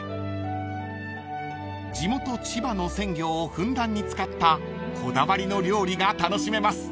［地元千葉の鮮魚をふんだんに使ったこだわりの料理が楽しめます］